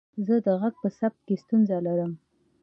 زه د غږ په ثبت کې ستونزه لرم.